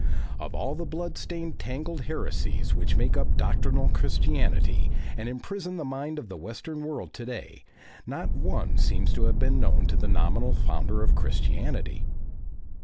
Of all the blood stained tangled heresies which make up doctrinal Christianity and imprison the mind of the western world to day, not one seems to have been known to the nominal founder of Christianity.